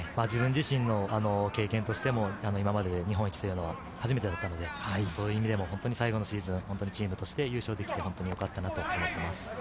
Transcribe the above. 自分自身の経験としても今までで日本一というのは初めてだったので、そういう意味でも最後のシーズン、本当にチームとして優勝できて本当によかったなと思っています。